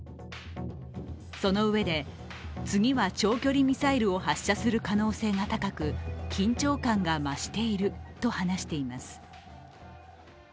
そのうえで次は長距離ミサイルを発射する可能性が高く緊張感が増していると話しています。